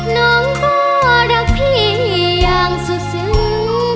น้องก็รักพี่อย่างสุดซึ้ง